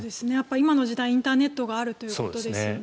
今の時代インターネットがあることですよね。